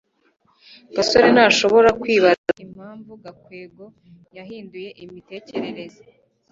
gasore ntashobora kwibaza impamvu gakwego yahinduye imitekerereze